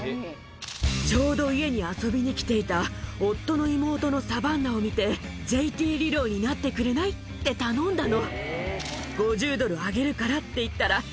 ちょうど家に遊びに来ていた夫の妹のサバンナを見て、ＪＴリロイになってくれない？って頼んだの。